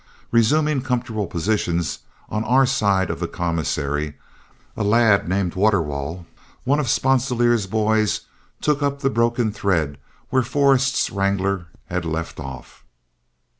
Resuming comfortable positions on our side of the commissary, a lad named Waterwall, one of Sponsilier's boys, took up the broken thread where Forrest's wrangler had left off.